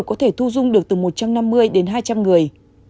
có thể thu dung được từ một trăm năm mươi đến hai trăm linh người